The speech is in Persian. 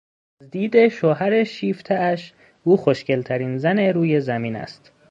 از دید شوهر شیفتهاش، او خوشگلترین زن روی زمین است.